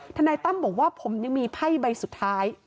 นายตั้มบอกว่าผมยังมีไพ่ใบสุดท้าย